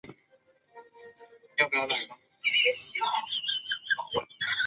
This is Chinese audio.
元时为大汗蒙哥之子昔里吉封地。